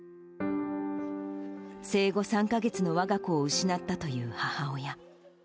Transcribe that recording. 生後３か月のわが子を失ったという母親。